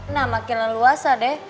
nah makin luasa deh